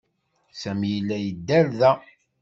Sami yella yedder da.